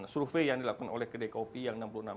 survei yang dilakukan oleh kedekopi yang